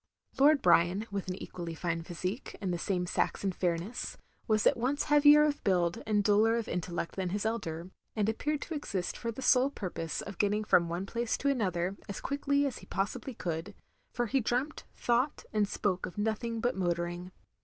Lord Brian, with an equally fine physique, and the same Saxon fairness, was at once heavier of build, and duller of intellect than his elder; and appeared to exist for the sole purpose of getting from one place to another as quickly as he possibly could; for he dreamt, thought, and spoke of nothing but motoring.